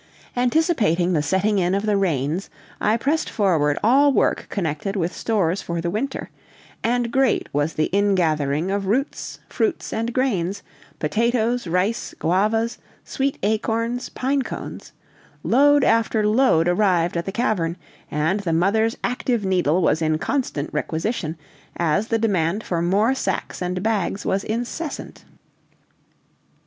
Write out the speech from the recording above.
Anticipating the setting in of the rains, I pressed forward all work connected with stores for the winter, and great was the in gathering of roots, fruits, and grains, potatoes, rice, guavas, sweet acorns, pine cones; load after load arrived at the cavern, and the mother's active needle was in constant requisition, as the demand for more sacks and bags was incessant.